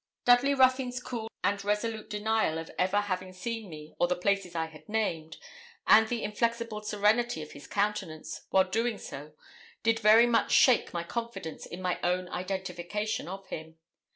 Dudley Ruthyn's cool and resolute denial of ever having seen me or the places I had named, and the inflexible serenity of his countenance while doing so, did very much shake my confidence in my own identification of him.